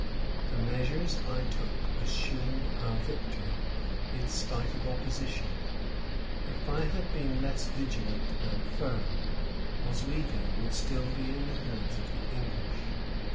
The measures I took assured our victory, in spite of opposition. If I had been less vigilant and firm, Oswego would still be in the hands of the English.